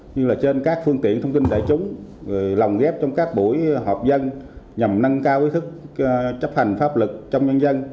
như là trên các phương tiện thông tin đại chúng lòng ghép trong các buổi họp dân nhằm nâng cao ý thức chấp hành pháp lực trong nhân dân